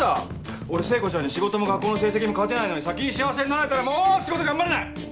俺聖子ちゃんに仕事も学校の成績も勝てないのに先に幸せになられたらもう仕事頑張れない！